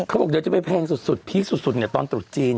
เขาบอกเดี๋ยวจะไปแพงสุดพีคสุดเนี่ยตอนตรุษจีน